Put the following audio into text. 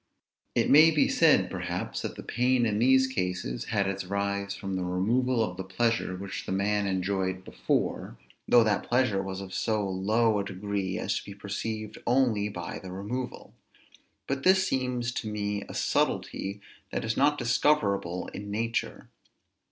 It may be said, perhaps, that the pain in these cases had its rise from the removal of the pleasure which the man enjoyed before, though that pleasure was of so low a degree as to be perceived only by the removal. But this seems to me a subtilty that is not discoverable in nature.